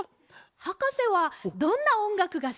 はかせはどんなおんがくがすきですか？